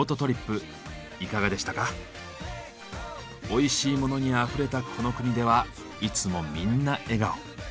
おいしいモノにあふれたこの国ではいつもみんな笑顔。